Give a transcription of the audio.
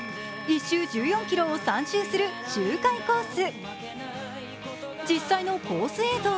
１周１４ｋｍを３周する周回コース。